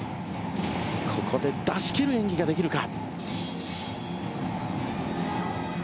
ここで出しきる演技ができるか。